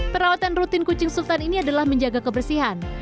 perawatan rutin kucing sultan ini adalah menjaga kebersihan